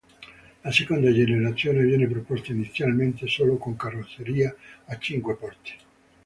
La seconda generazione viene proposta inizialmente solo con carrozzeria a cinque porte.